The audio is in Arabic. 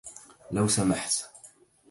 لو سمحت